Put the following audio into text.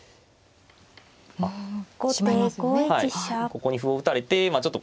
ここに歩を打たれてちょっと。